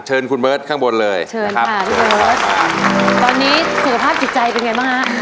เชิญคุณเบิร์ตข้างบนเลยเชิญครับตอนนี้สุขภาพจิตใจเป็นไงบ้างฮะ